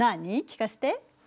聞かせて。